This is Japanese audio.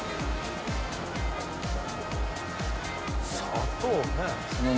砂糖ね。